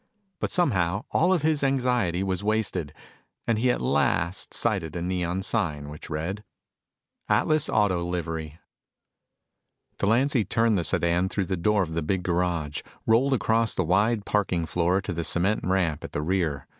But somehow all of his anxiety was wasted, and he at last sighted a neon sign which read: "ATLAS AUTO LIVERY" Delancy turned the sedan through the door of the big garage, rolled across the wide parking floor to the cement ramp at the rear.